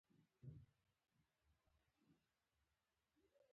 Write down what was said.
کرنه د هېواد د اقتصاد ملا ده.